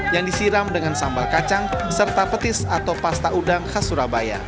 yang disiram dengan sambal kacang serta petis atau pasta udang khas surabaya